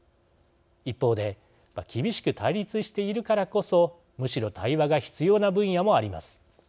一方で、厳しく対立しているからこそむしろ対話が必要な分野もあります。